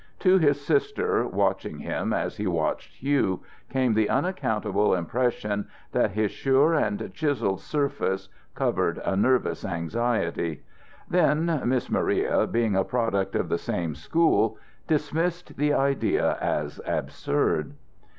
To his sister, watching him as he watched Hugh, came the unaccountable impression that his sure and chiselled surface covered a nervous anxiety. Then Miss Maria, being a product of the same school, dismissed the idea as absurd.